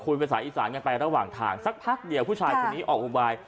ภาษาอีสานกันไประหว่างทางสักพักเดียวผู้ชายคนนี้ออกอุบาย